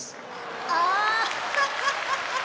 あハハハハ！